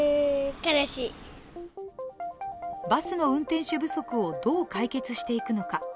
バスの運転手不足をどう解決していくのか。